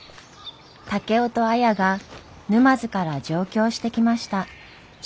竹雄と綾が沼津から上京してきました。